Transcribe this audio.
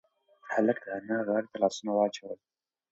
هلک د انا غاړې ته لاسونه واچول.